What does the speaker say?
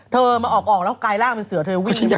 เธอมาออกแล้วกลายร่างเป็นเสือเธอจะวิ่งขึ้นมา